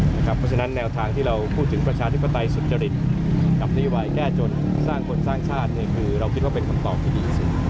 เพราะฉะนั้นแนวทางที่เราพูดถึงประชาธิปไตยสุจริตกับนโยบายแก้จนสร้างคนสร้างชาติคือเราคิดว่าเป็นคำตอบที่ดีที่สุด